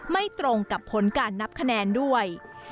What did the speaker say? ไม่ตรงกับผลการนับคะแนนด้วย